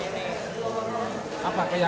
dan setahun cuma satu kali ya